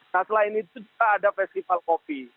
nah selain itu juga ada festival kopi